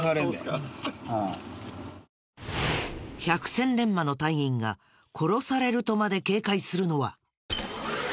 百戦錬磨の隊員が「殺される」とまで警戒するのは。